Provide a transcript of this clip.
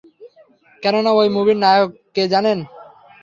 কেননা ওই মুভির নায়ক কে জানেন?